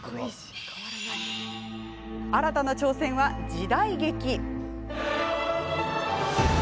新たな挑戦は、時代劇。